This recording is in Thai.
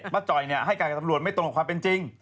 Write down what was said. จ่อยให้การกับตำรวจไม่ตรงกับความเป็นจริง